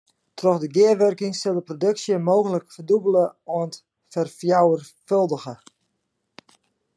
Troch de gearwurking sil de produksje mooglik ferdûbelje oant ferfjouwerfâldigje.